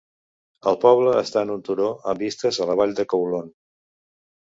El poble està en un turó amb vistes a la vall de Coulon.